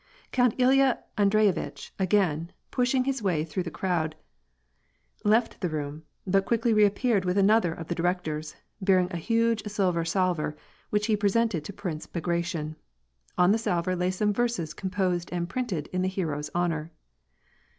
Count Ilya Andreyevitch, again pushing his way through the crowd, left the room, but quickly reappeared with another of the directors, bearing a huge silver salver which he pre sented to Prince Bagration. On the salver lay some verses composed and printed in the hero's honor.